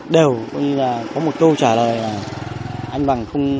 đều có một câu trả lời là